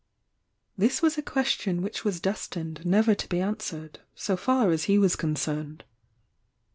This was a question which was destined never to be answered, so far as he was concerned.